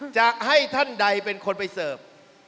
จะให้ท่านใดเป็นคนไปเสิร์ฟ